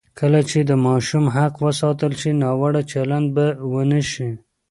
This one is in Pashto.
کله چې د ماشوم حق وساتل شي، ناوړه چلند به ونه شي.